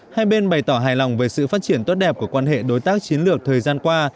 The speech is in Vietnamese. hai bên bày tỏ hài lòng về sự phát triển tốt đẹp của quan hệ đối tác chiến lược thời gian qua